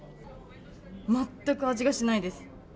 全く味がしないです。